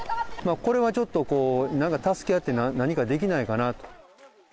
これはちょっとなんか助け合って何かできないかなと。